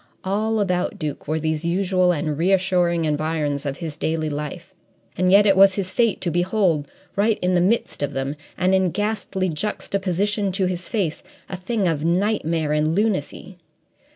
All about Duke were these usual and reassuring environs of his daily life, and yet it was his fate to behold, right in the midst of them, and in ghastly juxtaposition to his face, a thing of nightmare and lunacy.